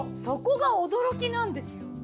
そこが驚きなんですよ。